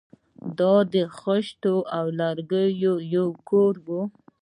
دا د خښتو او لرګیو یو کور و